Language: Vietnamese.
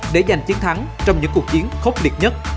để giành chiến thắng trong những cuộc chiến khốc liệt nhất